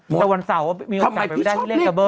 แต่วันเสาร์ว่ามีอุปกรณ์ไปไม่ได้เรียกเปิ้ล